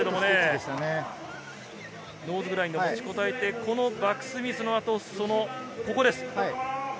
ノーズグラインド持ちこたえて、バックスミスの後、ここです。